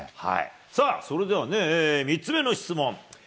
さあそれではね、３つ目の質問。